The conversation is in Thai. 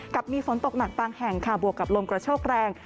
กับมีฝนตกหนักบางแห่งค่ะบวกกับลมกระโชคแรง